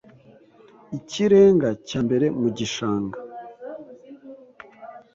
ikirenga cya mbere mu gishanga